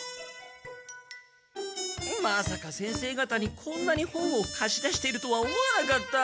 まさか先生がたにこんなに本をかし出しているとは思わなかった。